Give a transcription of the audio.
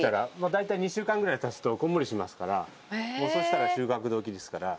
大体２週間ぐらい経つとこんもりしますからもうそうしたら収穫時ですから。